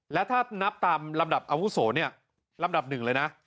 และถ้านับตามลำดับอาวุโสเนี่ยลำดับหนึ่งเลยนะ